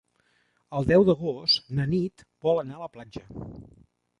El deu d'agost na Nit vol anar a la platja.